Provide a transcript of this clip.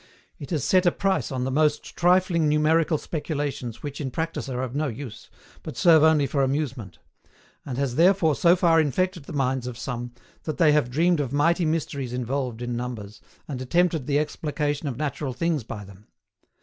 It has set a price on the most trifling numerical speculations which in practice are of no use, but serve only for amusement; and has therefore so far infected the minds of some, that they have dreamed of mighty mysteries involved in numbers, and attempted the explication of natural things by them.